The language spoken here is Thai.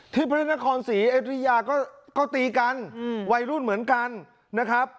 ที่พระเจ้านครศรีเอดริยาก็ก็ตีกันอืมวัยรุ่นเหมือนกันนะครับ